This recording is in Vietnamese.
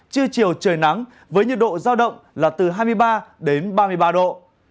trưa chiều trời nắng với nhiệt độ giao động là từ hai mươi ba đến ba mươi ba độ